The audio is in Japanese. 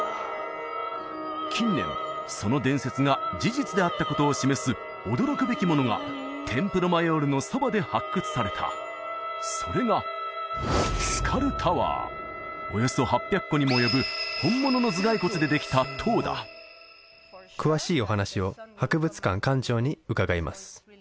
近年その伝説が事実であったことを示す驚くべきものがテンプロ・マヨールのそばで発掘されたそれがスカルタワーおよそ８００個にも及ぶ本物の頭蓋骨でできた塔だ詳しいお話を博物館館長に伺います